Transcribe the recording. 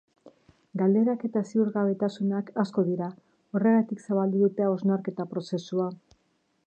Galderak eta ziurgabetasunak asko dira, horregatik zabaldu dute hausnarketa prozesua.